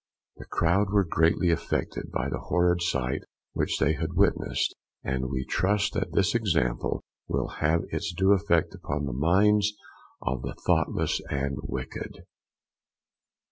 The crowd were greatly affected by the horrid sight which they had witnessed, and we trust that this example will have its due effect upon the minds of the thoughtless and wicked.